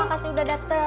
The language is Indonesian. makasih udah dateng